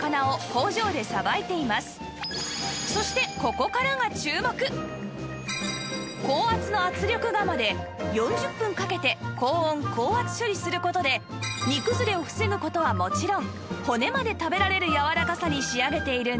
そして高圧の圧力釜で４０分かけて高温高圧処理する事で煮崩れを防ぐ事はもちろん骨まで食べられるやわらかさに仕上げているんです